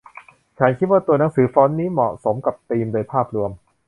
ฉันคิดว่าตัวหนังสือฟอนต์นี้เหมาะสมกับธีมโดยภาพรวม